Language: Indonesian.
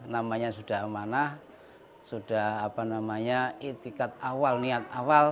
namanya sudah amanah sudah niat awal